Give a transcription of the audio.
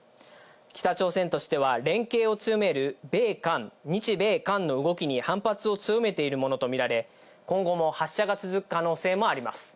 北朝鮮としては連携を強める米韓、日米韓の動きに反発を強めているものとみられ、今後も発射が続く可能性もあります。